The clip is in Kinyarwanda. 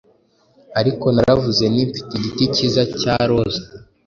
Ariko naravuze nti 'Mfite igiti cyiza cya roza